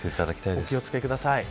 お気を付けください。